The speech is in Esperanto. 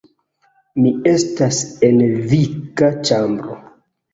Mi estas en vika ĉambro